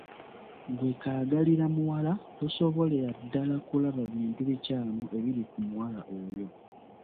Ggwe kaagalamuwala tosobolera ddala kulaba bintu bikyamu ebiri ku muwala oyo.